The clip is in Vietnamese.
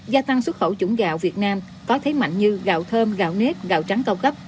gia tăng xuất khẩu chủng gạo việt nam có thế mạnh như gạo thơm gạo nếp gạo trắng cao cấp